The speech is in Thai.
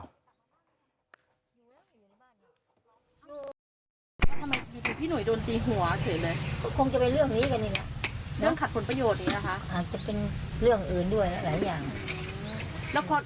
ไม่มีใครอยากยุ่งหรอก